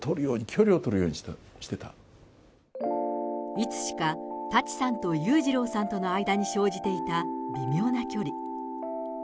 いつしか舘さんと裕次郎さんとの間に生じていた微妙な距離。